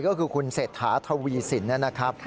ก็คือคุณเศรษฐาทวีสินนะครับ